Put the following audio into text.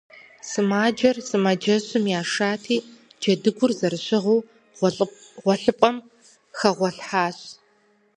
Сымаджэр сымаджэщым яшати, джэдыгур зэрыщыгъыу гъуэлъыпӏэм хэгъуэлъхьащ.